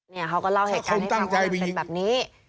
เนี่ยเขาก็เล่าเหตุการณ์ให้เขาว่ามันเป็นแบบนี้